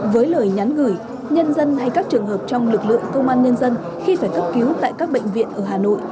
với lời nhắn gửi nhân dân hay các trường hợp trong lực lượng công an nhân dân khi phải cấp cứu tại các bệnh viện ở hà nội